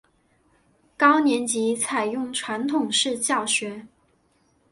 高年级采用传统式教学。